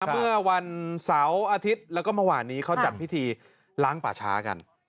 เมื่อวันเสาร์อาทิตย์แล้วก็เมื่อวานนี้เขาจัดพิธีล้างป่าช้ากัน